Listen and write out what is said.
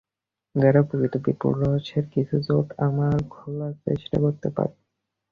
যাতে প্রকৃতির বিপুল রহস্যের কিছু জট আমরা খোলার চেষ্টা করতে পারি।